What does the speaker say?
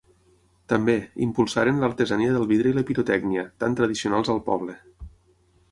També, impulsaren l'artesania del vidre i la pirotècnia, tan tradicionals al poble.